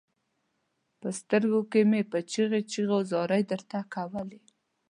په سترګو کې مې په چيغو چيغو زارۍ درته کولې.